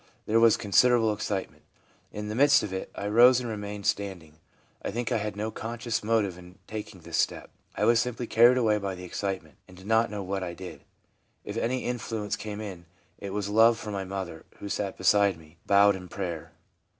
There was considerable excitement. In the midst of it I rose and remained standing. I think I had no conscious motive in taking this step. I was simply carried away by the excitement, and did not know what I did. If any influence came in, it was love for my mother, who sat beside me, bowed in prayer.